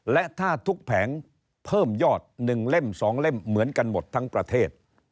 และถ้าทุกแผงเพิ่มยอด๑เล่ม๒เล่มเหมือนกันหมดทั้งประเทศ